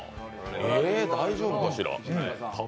え大丈夫かしら？